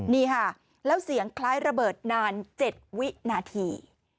นี่ค่ะแล้วเสียงคล้ายระเบิดนาน๗วินาที